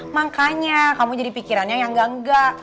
makanya kamu jadi pikirannya yang enggak enggak